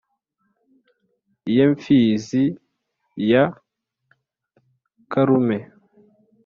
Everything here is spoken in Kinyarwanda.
ye mfizi ya karume,